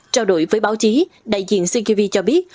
trao đổi với báo chí đại diện cgv cho biết